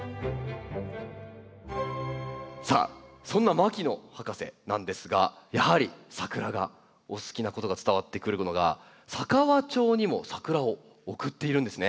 さあそんな牧野博士なんですがやはりサクラがお好きなことが伝わってくるものが佐川町にもサクラを贈っているんですね。